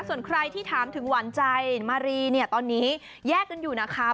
ส่วนใครที่ถามถึงหวานใจมารีเนี่ยตอนนี้แยกกันอยู่นะคะ